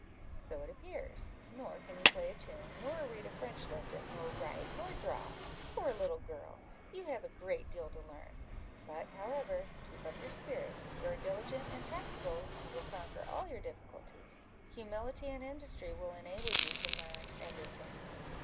"So it appears; nor can you play a tune, nor read a French lesson, nor write, nor draw: poor little girl! you have a great deal to learn: but, however, keep up your spirits; if you are diligent and tractable, you will conquer all your difficulties; humility and industry will enable you to learn every thing."